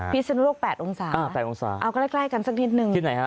พิศนุโรค๘องศาเอาก็ใกล้กันสักนิดนึง